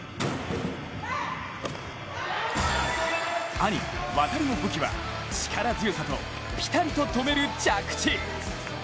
兄・航の武器は力強さと、ピタリと止める着地。